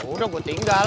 udah gue tinggal